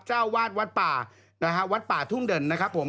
เจ้าวาดวัดป่านะฮะวัดป่าทุ่งเด่นนะครับผม